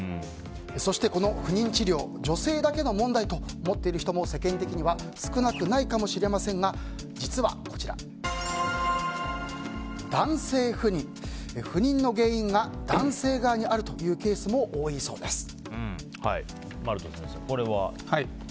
そしてこの不妊治療女性だけの問題と思っている人も世間的には少なくないかもしれませんが実は、男性不妊不妊の原因が男性側にあるというケースも丸田先生、これは？